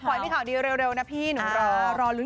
ก่อนมีข่าวดีเร็วนะพี่หนูรอ